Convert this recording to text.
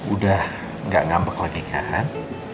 udah gak ngambek lagi kan